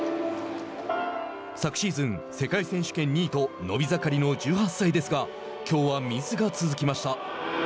昨シーズン、世界選手権２位と伸び盛りの１８歳ですがきょうはミスが続きました。